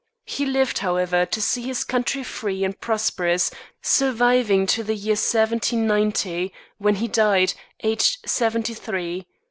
He lived, however, to see his country free and prosperous, surviving to the year 1790, when he died, aged seventy three.